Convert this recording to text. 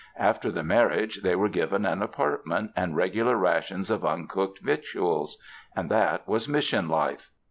After the marriage, they were given an apartment and regular rations of uncooked victuals. And that was Mission life.